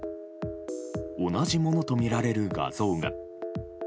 同じものとみられる画像が。